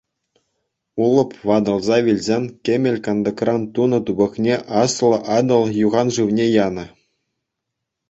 Улӑп ватӑлса вилсен кӗмӗл кантӑкран тунӑ тупӑкне Аслӑ Атӑл юхан шывне янӑ.